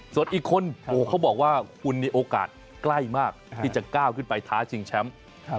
ส่วนอีกคนโอ้โหเขาบอกว่าคุณมีโอกาสใกล้มากที่จะก้าวขึ้นไปท้าชิงแชมป์